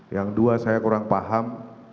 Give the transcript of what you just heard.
yang dua saya kurang paham